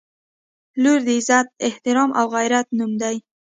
• لور د عزت، احترام او غیرت نوم دی.